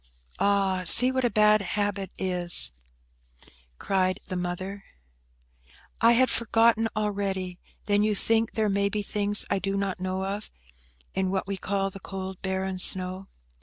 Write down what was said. "Ah, see what a bad habit is!" cried the mother. "I had forgotten already. Then you think there may be things I do not know of, in what we call the cold, barren snow?"